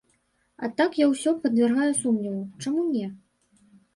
А так я ўсё падвяргаю сумневу, чаму не?